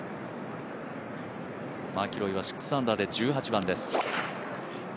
マキロイは６アンダーで１８番です。